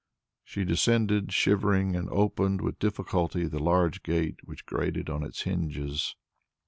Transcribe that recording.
She descended, shivering, and opened with difficulty the large gate which grated on its hinges.